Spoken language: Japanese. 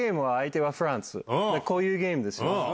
こういうゲームですよ。